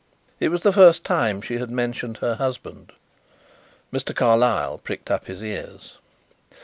It was the first time she had mentioned her husband; Mr. Carlyle pricked up his ears.